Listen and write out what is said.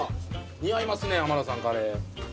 似合いますね浜田さんカレー。